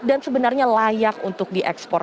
dan sebenarnya layak untuk diekspor